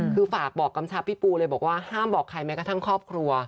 คือฝากบอกกำชับพี่ปูเลยบอกว่าห้ามบอกใครแม้กระทั่งครอบครัว